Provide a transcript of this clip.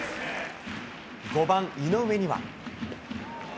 ５番井上には。